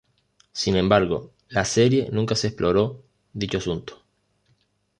Sin embargo, la serie nunca se exploró dicho asunto.